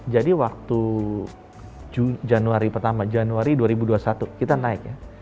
jadi waktu januari pertama januari dua ribu dua puluh satu kita naik ya